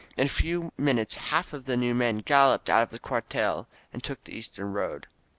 In a few minutes half of the new men gal loped out of their cuartel and took the eastern road.